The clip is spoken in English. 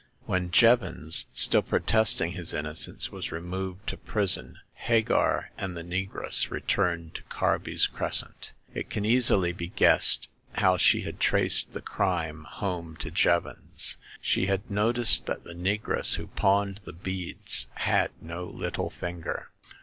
When Jevons, still protesting his innocence, was removed to prison, Hagar and the negress returned to Carby*s Crescent. It can easily be guessed how she had traced the crime home to Jevons. She had noticed that the negress who pawned the beads had no little finger.